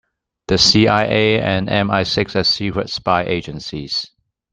The CIA and MI-Six are secret spy agencies.